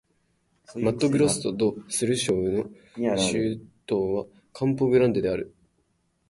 マットグロッソ・ド・スル州の州都はカンポ・グランデである